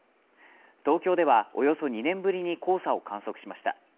東京では、およそ２年ぶりに黄砂を観測しました。